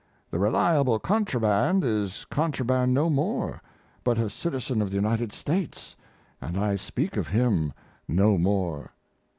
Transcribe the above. The Reliable Contraband is contraband no more, but a citizen of the United States, and I speak of him no more.